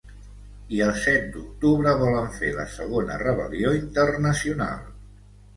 I el set d’octubre volen fer la ‘segona rebel·lió internacional’.